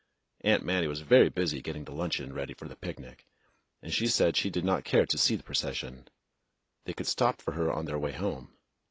Aunt Mattie was very busy getting the luncheon ready for the picnic, and she said she did not care to see the procession; they could stop for her on their way home.